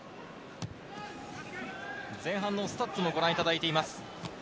前半のスタッツもご覧いただいています。